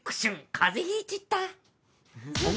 風邪引いちった！